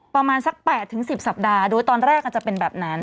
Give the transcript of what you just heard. ประมาณสัก๘๑๐สัปดาห์โดยตอนแรกอาจจะเป็นแบบนั้น